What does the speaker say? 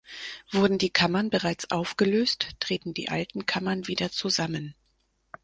Wurden die Kammern bereits aufgelöst, treten die alten Kammern wieder zusammen.